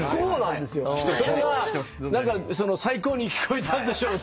それが何か「最高」に聞こえたんでしょうね。